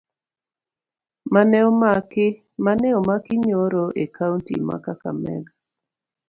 Mane omaki nyoro e kaunti ma kakamega